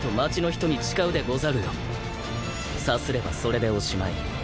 さすればそれでおしまい。